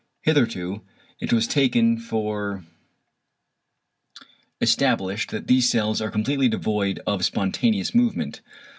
Hitherto it was taken for established that these cells are completely devoid of spontaneous movement.